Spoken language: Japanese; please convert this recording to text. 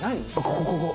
ここここ。